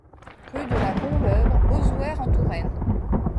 Rue de la Bonleuvre, Auzouer-en-Touraine